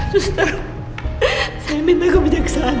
sus saya minta kebijaksanaan sus